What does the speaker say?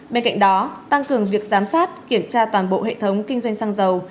bên cạnh đó tăng cường việc giám sát kiểm tra toàn bộ hệ thống kinh doanh xăng dầu